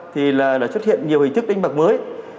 thì là đã xuất hiện nhiều hình thức đánh bạc mới